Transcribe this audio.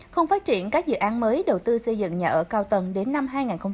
không phát triển các dự án mới đầu tư xây dựng nhà ở cao tầng đến năm hai nghìn hai mươi